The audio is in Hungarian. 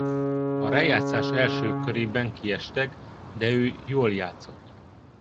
A rájátszás első körében kiestek de ő jól játszott.